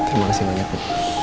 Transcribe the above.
terima kasih banyak bu